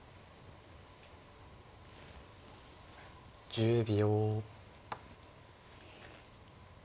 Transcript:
１０秒。